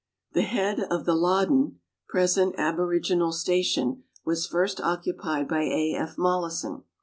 The head of the Loddon present aboriginal station was first occupied by A. F. Mollison.